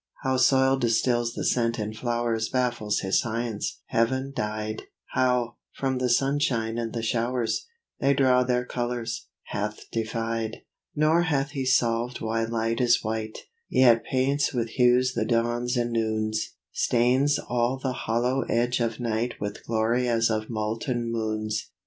How soil distils the scent in flowers Baffles his science: heaven dyed, How, from the sunshine and the showers, They draw their colors, hath defied. Nor hath he solved why light is white, Yet paints with hues the dawns and noons, Stains all the hollow edge of night With glory as of molten moons.